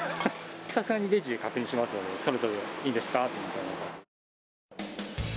さすがにレジで確認しますので、ソルトでいいですかみたいな。